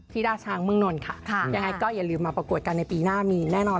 ท่าช้างเมืองนนท์ค่ะยังไงก็อย่าลืมมาประกวดกันในปีหน้ามีแน่นอน